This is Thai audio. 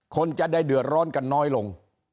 คนจะได้เดือดร้อนกันน้อยลง